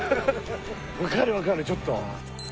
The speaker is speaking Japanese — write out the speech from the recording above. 分かる分かるちょっと。